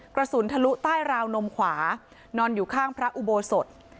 กระสุนทะลุใต้ราวนมขวานอนอยู่ข้างพระอุโบสถ